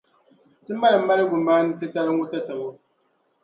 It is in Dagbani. Ti mali maligumaani’ titali ŋɔ tatabo.